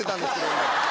今。